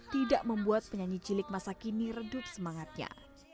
tidak membuat penyanyi cilik masa kini redup semangatnya